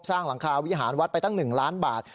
หลังคาวิหารวัดไปตั้ง๑ล้านบาท